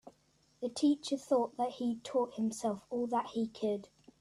The teacher thought that he'd taught himself all he could.